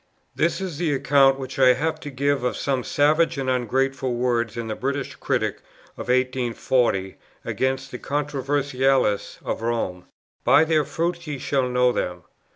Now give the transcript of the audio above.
This is the account which I have to give of some savage and ungrateful words in the British Critic of 1840 against the controversialists of Rome: "By their fruits ye shall know them....